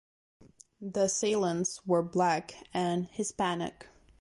The assailants were black and Hispanic.